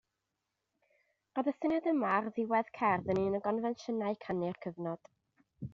Roedd y syniad yma ar ddiwedd cerdd yn un o gonfensiynau canu'r cyfnod.